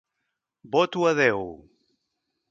Voto a Déu!